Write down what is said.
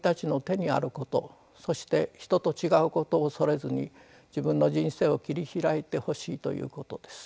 そして人と違うことを恐れずに自分の人生を切り開いてほしいということです。